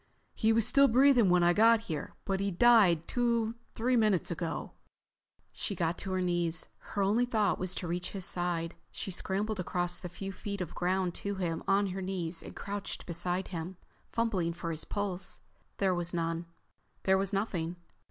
He was still breathing when I got here, but he died two, three minutes ago." She got to her knees. Her only thought was to reach his side. She scrambled across the few feet of ground to him still on her knees and crouched beside him, fumbling for his pulse. There was none. There was nothing.